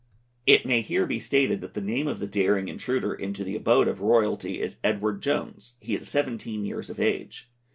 It may here be stated that the name of the daring intruder into the abode of royalty is Edward Jones; he is 17 years of age.